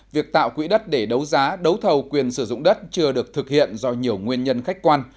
việc tạo quỹ đất để đấu giá đấu thầu quyền sử dụng đất chưa được thực hiện do nhiều nguyên nhân khách quan